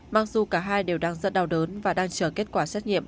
mặc dù cả hai đều đang rất đau đớn và đang chờ kết quả xét nghiệm